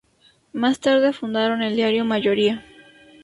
Más tarde fundaron el diario "Mayoría".